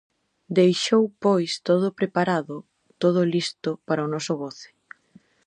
Deixou pois todo preparado, todo listo para o noso goce.